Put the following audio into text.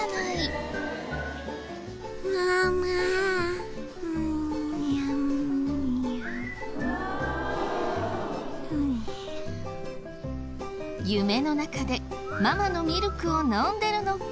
夢の中でママのミルクを飲んでるのかも。